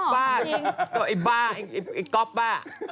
บ้าไอ้บ้าไอ้ก๊อบบ้า